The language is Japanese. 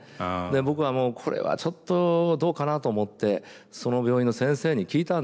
で僕はもうこれはちょっとどうかなと思ってその病院の先生に聞いたんですよ。